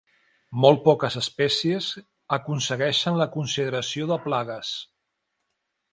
Molt poques espècies aconsegueixen la consideració de plagues.